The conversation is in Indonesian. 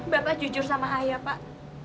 bapak jujur sama ayah pak